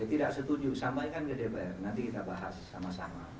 tidak setuju sampaikan ke dpr nanti kita bahas sama sama